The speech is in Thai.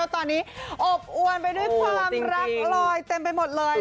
ตอนนี้อบอวนไปด้วยความรักลอยเต็มไปหมดเลย